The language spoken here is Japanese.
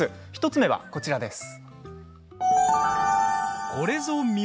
１つ目はこちらです。